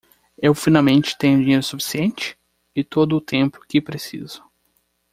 Eu finalmente tenho dinheiro suficiente? e todo o tempo que preciso.